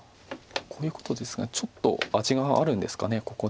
こういうことですがちょっと味があるんですかここで。